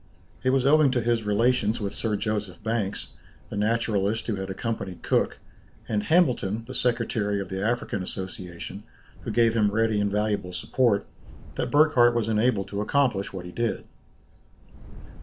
It was owing to his relations with Sir Joseph Banks, the naturalist who had accompanied Cook, and Hamilton, the secretary of the African Association, who gave him ready and valuable support, that Burckhardt was enabled to accomplish what he did.